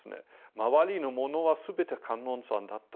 周りのものは全て観音さんだったと。